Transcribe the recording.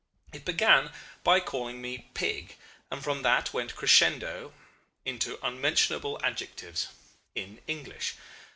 It began by calling me Pig, and from that went crescendo into unmentionable adjectives in English.